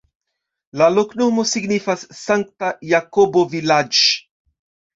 La loknomo signifas: Sankta-Jakobo-vilaĝ'.